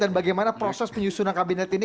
dan bagaimana proses penyusunan kabinet ini